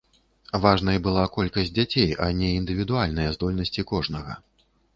Важнай была колькасць дзяцей, а не індывідуальныя здольнасці кожнага.